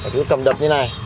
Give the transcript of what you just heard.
chú cầm đập như này